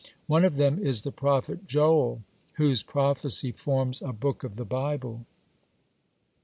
One of them is the prophet Joel, whose prophecy forms a book of the Bible.